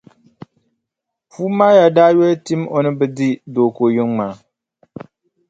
Puumaaya daa yoli tɛm o ni bi di Dooko yiŋa maa.